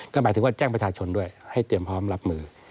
ก็หมายถึงว่าแจ้งประชาชนด้วยให้เตรียมพร้อมรับมือ